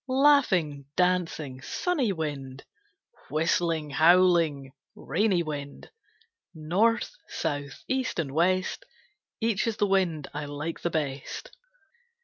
Laughing, dancing, sunny wind, Whistling, howling, rainy wind, North, South, East and West, Each is the wind I like the best.